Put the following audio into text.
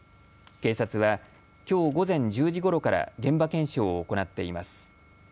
警察はきょう午前１０時ごろから現場検証を行っています。